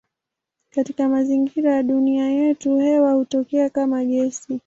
Katika mazingira ya dunia yetu hewa hutokea kama gesi.